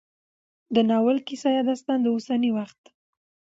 د ناول کيسه يا داستان د اوسني وخت